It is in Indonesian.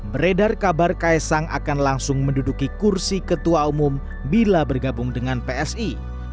beredar kabar kaisang akan langsung menduduki kursi ketua umum bila bergabung dengan psi